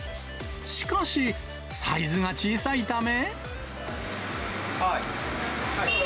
しかし、サイズが小さいため。